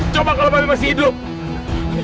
coba kalau kami masih hidup